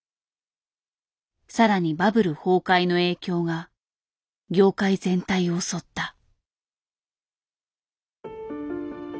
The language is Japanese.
さらにバブル崩壊の影響が業界全体を襲った。